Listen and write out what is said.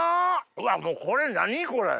うわっもう何これ。